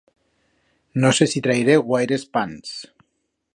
No sé si trairé guaires pans.